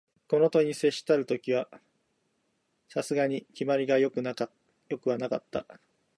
この問に接したる時は、さすがに決まりが善くはなかった